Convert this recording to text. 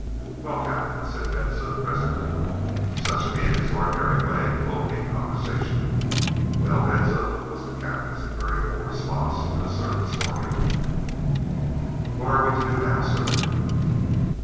"Well, captain?" said Ben Zoof presently, such being his ordinary way of opening conversation. "Well, Ben Zoof?" was the captain's invariable response to his servant's formula. "What are we to do now, sir?"